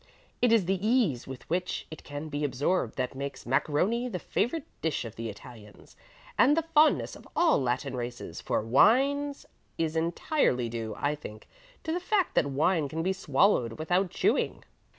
It is the ease with which it can be absorbed that makes macaroni the favorite dish of the Italians, and the fondness of all Latin races for wines is entirely due, I think, to the fact that wine can be swallowed without chewing.